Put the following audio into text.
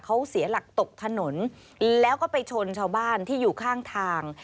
เขาเสียหลักตกถนนแล้วก็ไปชนชาวบ้านที่อยู่ข้างทาง